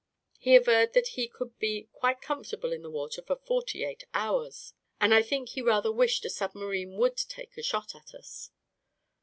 He averred that he could be quite comfortable in the water for forty eight hours, and I think he rather wished a submarine would take a shot at us.